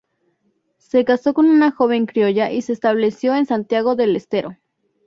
Se casó con una joven criolla y se estableció en Santiago del Estero.